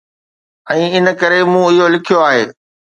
۽ ان ڪري مون اهو لکيو آهي